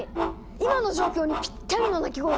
今の状況にぴったりの鳴き声ですね。